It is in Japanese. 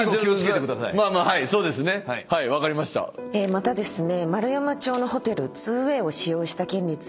またですね。